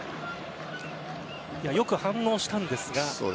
よく反応したんですが。